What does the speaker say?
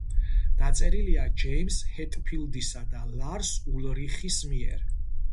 დაწერილია ჯეიმზ ჰეტფილდისა და ლარს ულრიხის მიერ.